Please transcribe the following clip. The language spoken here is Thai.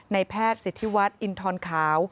ในแพทย์สิทธิวัตรอินทรคาว